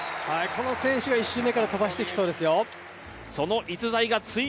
この選手は１周目から飛ばしてきそうですよ。